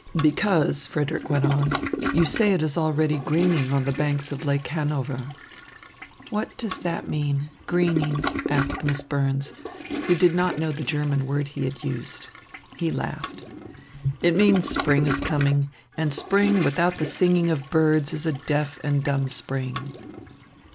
"Because," Frederick went on, "you say it is already greening on the banks of Lake Hanover." "What does that mean 'greening'?" asked Miss Burns, who did not know the German word he had used. He laughed. "It means spring is coming, and spring without the singing of birds is a deaf and dumb spring."